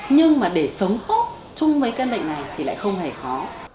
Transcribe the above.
nhưng mà để sống tốt chung với căn bệnh này thì lại không hề khó